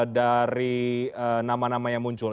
dari nama nama yang muncul